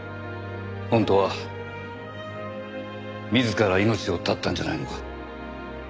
本当は自ら命を絶ったんじゃないのか？